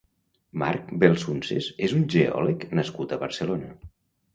Marc Belzunces és un geòleg nascut a Barcelona.